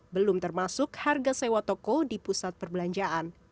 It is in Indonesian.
belum termasuk harga sewa toko di pusat perbelanjaan